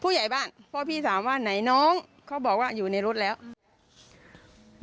ผู้ใหญ่บ้านเพราะพี่ถามว่าไหนน้องเขาบอกว่าอยู่ในรถแล้ว